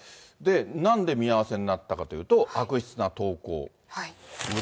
なんで見合わせになったかというと、悪質な投稿。